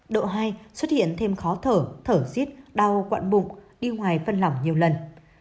độ hai xuất hiện thêm khó thở thở xít đau quặn bụng đi ngoài phân lỏng nhiều lần